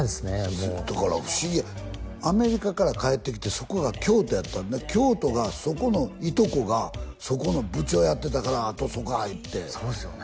もうだから不思議やアメリカから帰ってきてそこが京都やった京都がそこのいとこがそこの部長やってたからあとそこ入ってそうですよね